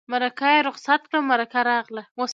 مرکه یې رخصت کړه مرکه راغله.